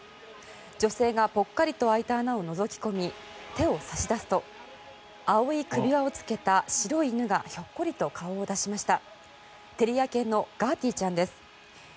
女性がぽっかりと開いた穴をのぞき込み手を差し出すと青い首輪を着けた白い犬がひょっこりと顔を出しました。